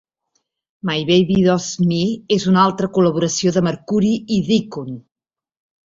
"My Baby Does Me" és una altra col·laboració de Mercury i Deacon.